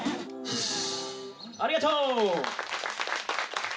ありがと！